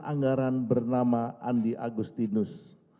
anggaran bernama andi agustinus